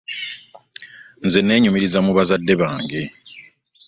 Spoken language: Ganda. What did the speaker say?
Nze nenyumiriza mu bazadde bange.